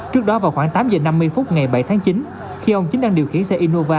trước đó vào khoảng tám giờ năm mươi phút ngày bảy tháng chín khi ông chính đang điều khiển xe innova